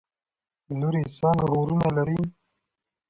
لورې څانګه څو وروڼه لري؟؟